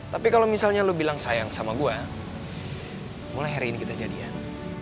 tapi kalau misalnya lo bilang sayang sama gue mulai hari ini kita jadian